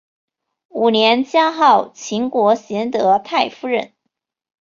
五年加号秦国贤德太夫人。